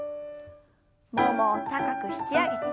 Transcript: ももを高く引き上げて。